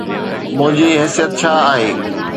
منهنجي حيثيت ڇا آهي؟